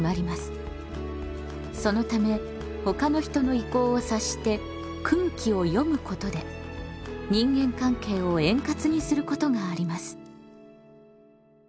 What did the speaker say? そのためほかの人の意向を察して「空気を読む」ことで人間関係を円滑にすることがあります。